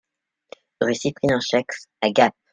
Rue Cyprien Chaix à Gap